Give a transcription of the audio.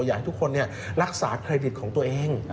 อยากให้ทุกคนรักษาเครดิตของตัวเอง